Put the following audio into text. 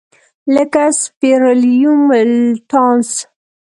لکه سپیریلوم ولټانس.